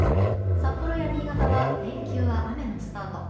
札幌や新潟は連休は雨のスタート。